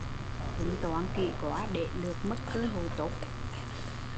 Tính toán kỹ quá để lượt mất cơ hội tốt